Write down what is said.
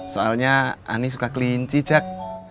soalnya ani suka kelinci jack